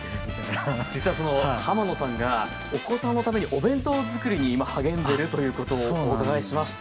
実はその浜野さんがお子さんのためにお弁当作りに今励んでるということをお伺いしまして。